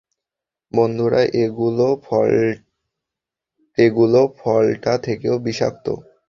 বন্ধুরা, এগুলো ফলটা থেকেও বিষাক্ত।